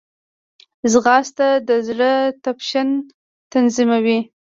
ځغاسته د زړه تپش تنظیموي